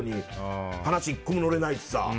話、１個も乗れないしさ。